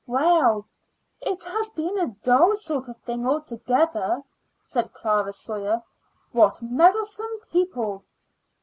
"Well, it has been a dull sort of thing altogether," said Clara Sawyer. "What meddlesome people!"